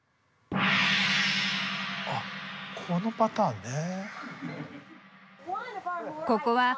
あっこのパターンね。